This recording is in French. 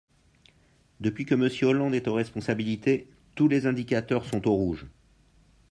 Depuis que Monsieur Hollande est aux responsabilités, tous les indicateurs sont au rouge.